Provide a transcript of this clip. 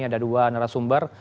ada dua narasumber